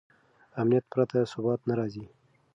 امنیت پرته ثبات نه راځي.